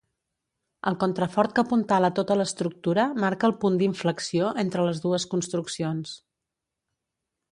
El contrafort que apuntala tota l'estructura marca el punt d'inflexió entre les dues construccions.